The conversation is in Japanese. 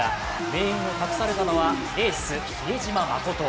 命運を託されたのはエース・比江島慎。